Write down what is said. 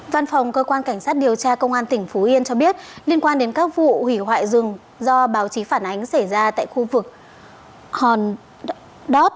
văn phòng cơ quan cảnh sát điều tra công an tỉnh phú yên cho biết liên quan đến các vụ hủy hoại rừng do báo chí phản ánh xảy ra tại khu vực hòn đót